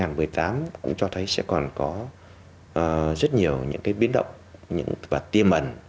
năm hai nghìn một mươi tám cũng cho thấy sẽ còn có rất nhiều những cái biến động và tiêm ẩn